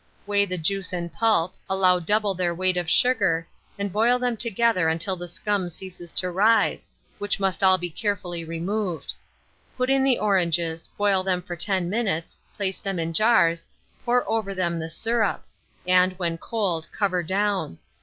Weigh the juice and pulp, allow double their weight of sugar, and boil them together until the scum ceases to rise, which must all be carefully removed; put in the oranges, boil them for 10 minutes, place them in jars, pour over them the syrup, and, when cold, cover down.